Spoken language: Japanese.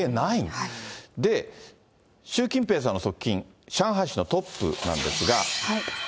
で、習近平さんの側近、上海市のトップなんですが。